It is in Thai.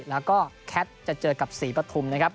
แล้วก็แคสต์จะเจอกับ๔ประทุมนะครับ